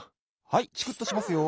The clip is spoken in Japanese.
はいチクッとしますよ。